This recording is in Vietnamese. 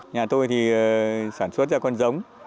nhà tôi thì sản xuất ra con giống